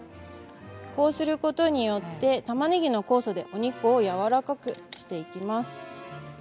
こうすることによってたまねぎの酵素でお肉をやわらかくしていきます。